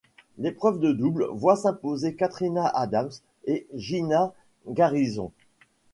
L'épreuve de double voit s'imposer Katrina Adams et Zina Garrison.